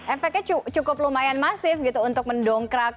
efeknya cukup lumayan masif gitu untuk mendongkrak